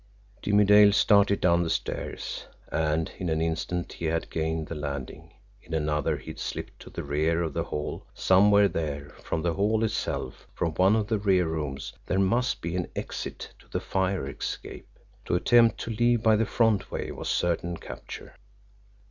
Jimmie Dale started down the stairs, and in an instant he had gained the landing. In another he had slipped to the rear of the hall somewhere there, from the hall itself, from one of the rear rooms, there must be an exit to the fire escape. To attempt to leave by the front way was certain capture.